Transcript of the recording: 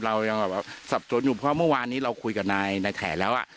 เรายังแบบสับสนอยู่เพราะเมื่อวานนี้เราคุยกับนายแผนแล้วอ่ะ